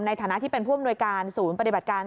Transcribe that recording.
ในฐานะที่เป็นผู้อำนวยการศูนย์ปฏิบัติการ